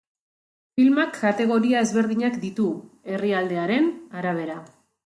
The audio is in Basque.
Filmak kategoria ezberdinak ditu herrialdearen arabera.